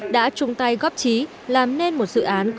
đã trung tay góp trí làm nên một sự thân tốc